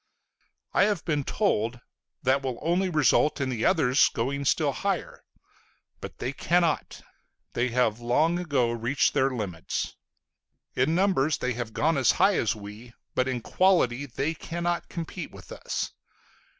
I have been told, "That will only result in the others going still higher." But they cannot. They have long ago reached their limits.... In numbers they have gone as high as we, but in quality they cannot compete with us.